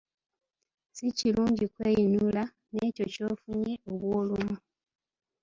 Si kirungi kweyinula n'ekyo ky'ofunye obw'olumu.